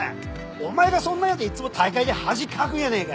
お前がそんなんやていつも大会で恥かくんやねえか！